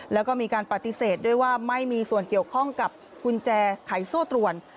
แล้วก็มีการปฏิเสธด้วยว่าไม่มีส่วนเกี่ยวข้องกับกุญแจไขโซ่ตรวน